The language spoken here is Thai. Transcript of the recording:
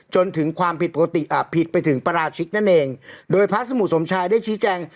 จนถึงความผิดปกติอ่าผิดไปถึงประราชิกนั่นเองโดยพระสมุสมชายได้ชี้แจง